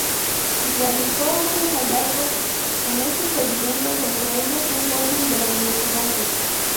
Realizó otros hallazgos en esos sedimentos, entre ellos un fósil de rinoceronte.